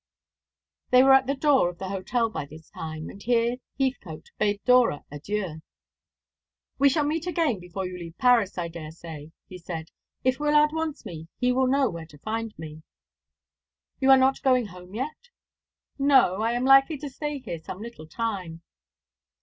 They were at the door of the hotel by this time, and here Heathcote bade Dora adieu. "We shall meet again before you leave Paris, I daresay," he said. "If Wyllard wants me he will know where to find me." "You are not going home yet?" "No; I am likely to stay here some little time."